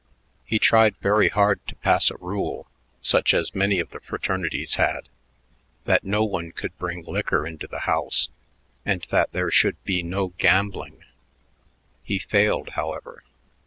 He tried very hard to pass a rule, such as many of the fraternities had, that no one could bring liquor into the house and that there should be no gambling. He failed, however.